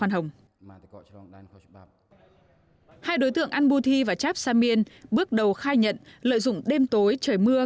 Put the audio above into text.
hai đối tượng an bun thi và chaps samien bước đầu khai nhận lợi dụng đêm tối trời mưa